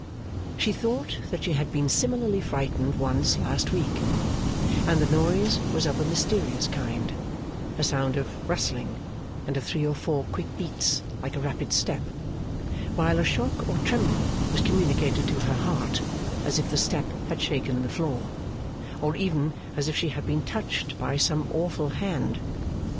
She thought that she had been similarly frightened once last week, and that the noise was of a mysterious kind a sound of rustling and of three or four quick beats like a rapid step; while a shock or tremble was communicated to her heart, as if the step had shaken the floor, or even as if she had been touched by some awful hand.